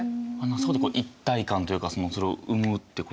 そこで一体感というかそれを生むってことですかね？